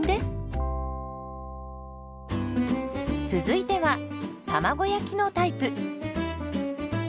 続いては卵焼きのタイプ。